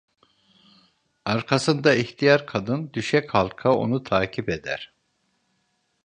Arkasında ihtiyar kadın düşe kalka onu takip eder.